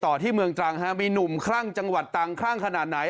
ที่เมืองตรังฮะมีหนุ่มคลั่งจังหวัดตังคลั่งขนาดไหน